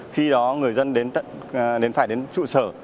khi đó người dân đến phải đến trụ sở